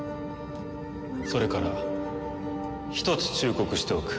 それから一つ忠告しておく。